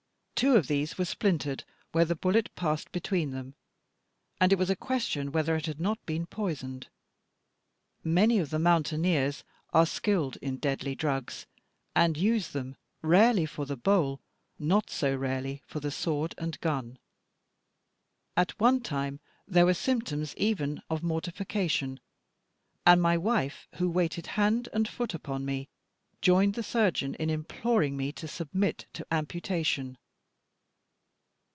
Two of these were splintered where the bullet passed between them, and it was a question whether it had not been poisoned. Many of the mountaineers are skilled in deadly drugs, and use them rarely for the bowl, not so rarely for the sword and gun. At one time there were symptoms even of mortification, and my wife, who waited hand and foot upon me, joined the surgeon in imploring me to submit to amputation.